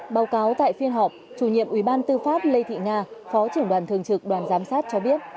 báo cáo tại phiên họp chủ nhiệm ủy ban tư pháp lê thị nga phó trưởng đoàn thường trực đoàn giám sát cho biết